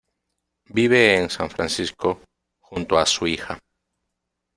Vive en San Francisco, junto a su hija.